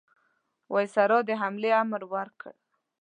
وایسرا د حملې امر ورکړ.